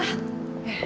ええ。